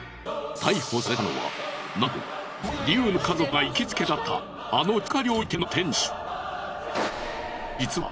逮捕されたのはなんとリュウの家族が行きつけだったあの中華料理店の店主。